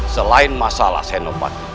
selain masalah senopat